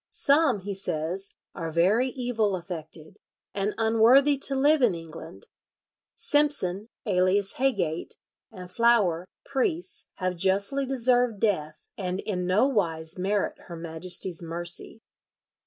"Some," he says, "are very evil affected, and unworthy to live in England. Simpson, alias Heygate, and Flower, priests, have justly deserved death, and in no wise merit her Majesty's mercy.